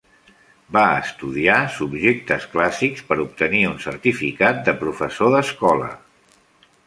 Va estudiar subjectes clàssics per obtenir un certificat de professor d'escola.